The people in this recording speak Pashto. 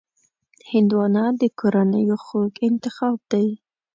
هندوانه د کورنیو خوږ انتخاب دی.